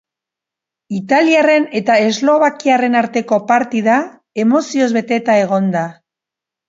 Italiarren eta eslovakiarren arteko partida emozioz beteta egon da.